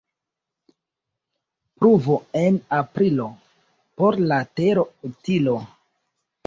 Pluvo en Aprilo — por la tero utilo.